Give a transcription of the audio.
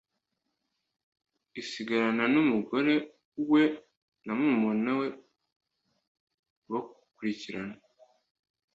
asigarana n'umugore we na murumuna we bakurikirana.